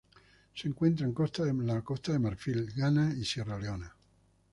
Se encuentra en Costa de Marfil, Ghana y Sierra Leona.